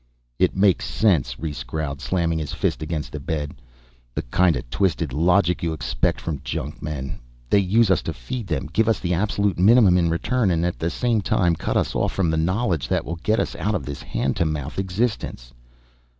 "It makes sense," Rhes growled, slamming his fist against the bed. "The kind of twisted logic you expect from junkmen. They use us to feed them, give us the absolute minimum in return, and at the same time cut us off from the knowledge that will get us out of this hand to mouth existence.